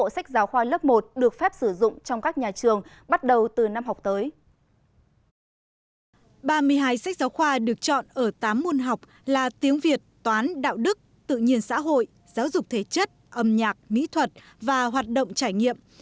ba mươi hai sách giáo khoa được chọn ở tám môn học là tiếng việt toán đạo đức tự nhiên xã hội giáo dục thể chất âm nhạc mỹ thuật và hoạt động trải nghiệm